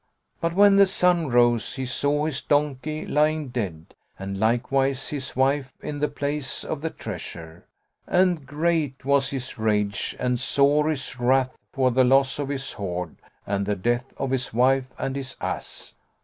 But when the sun rose, he saw his donkey lying dead and likewise his wife in the place of the treasure, and great was his rage and sore his wrath for the loss of his hoard and the death of his wife and his ass.